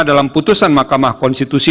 dalam putusan makamah konstitusi